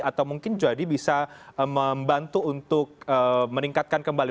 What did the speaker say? atau mungkin jadi bisa membantu untuk meningkatkan kembali